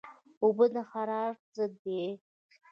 اوبه د حرارت ضد دي